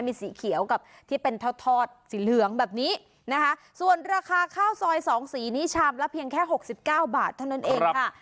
มีสีเขียวกับที่เป็นทอดทอดสีเหลืองแบบนี้นะคะส่วนราคาข้าวซอยสองสีนี้ชามละเพียงแค่หกสิบเก้าบาทเท่านั้นเองค่ะ